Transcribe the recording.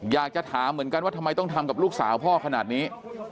อยากจะถามเหมือนกันว่าทำไมต้องทำกับลูกสาวพ่อขนาดนี้